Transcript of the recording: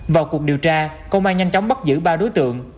vào cuộc điều tra công an nhanh chóng bắt giữ ba đối tượng